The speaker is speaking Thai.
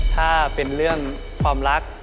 ถ้าเป็นเรื่องความรัก